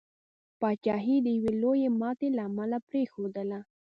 پاچهي یې د یوي لويي ماتي له امله پرېښودله.